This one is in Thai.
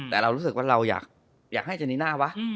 แต่เรารู้สึกว่าเราอยากให้เจนีน่าวะ